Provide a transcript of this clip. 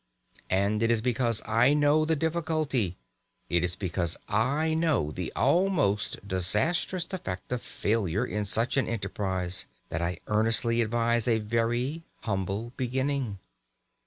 And it is because I know the difficulty, it is because I know the almost disastrous effect of failure in such an enterprise, that I earnestly advise a very humble beginning.